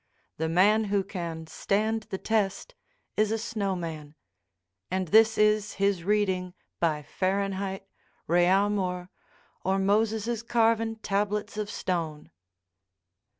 The man who can stand the test is a Snow Man; and this is his reading by Fahrenheit, Réaumur, or Moses's carven tablets of stone.